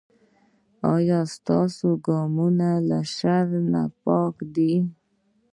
ایا ستاسو ګامونه له شر پاک دي؟